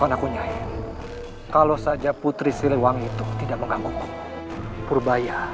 samacast yang memuji cuti juga menangkapnya